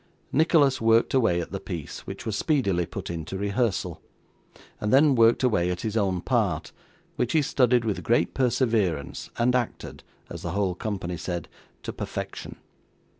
Nicholas worked away at the piece, which was speedily put into rehearsal, and then worked away at his own part, which he studied with great perseverance and acted as the whole company said to perfection.